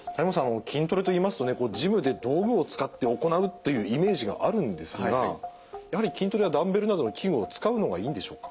筋トレといいますとねジムで道具を使って行うというイメージがあるんですがやはり筋トレはダンベルなどの器具を使うのがいいんでしょうか。